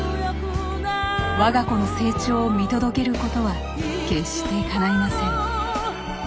我が子の成長を見届けることは決してかないません。